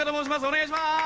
お願いします